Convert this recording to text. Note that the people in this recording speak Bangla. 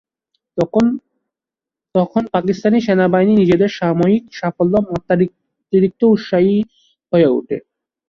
তখন পাকিস্তান সেনাবাহিনী নিজেদের সাময়িক সাফল্যে মাত্রাতিরিক্ত উৎসাহী হয়ে ওঠে।